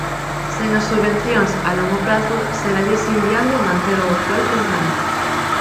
Sen as subvencións a longo prazo seralles inviable manter o actual programa.